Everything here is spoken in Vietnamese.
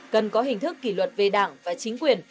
cần có hình thức kỷ luật về đảng và chính quyền